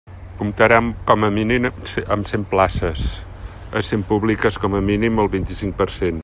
Comptarà com a mínim amb cent places, essent públiques com a mínim el vint-i-cinc per cent.